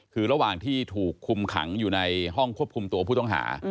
คือระหว่างที่ถูกคุมขังอยู่ในห้องควบคุมตัวผู้ต้องหา